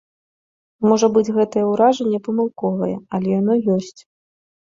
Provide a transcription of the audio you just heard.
Можа быць, гэтае ўражанне памылковае, але яно ёсць.